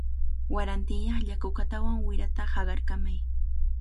Warantinyaqlla kukatawan wirata haqarkamay.